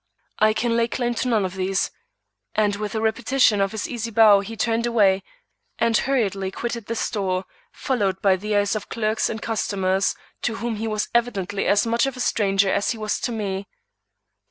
"I can lay claim to none of these." And with a repetition of his easy bow he turned away and hurriedly quitted the store, followed by the eyes of clerks and customers, to whom he was evidently as much of a stranger as he was to me.